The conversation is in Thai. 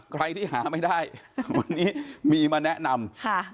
ใครที่หาไม่ได้วันนี้มีมาแนะนำค่ะ